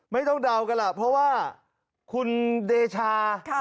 ไม่ต้องเดากันล่ะเพราะว่าคุณเดชาค่ะ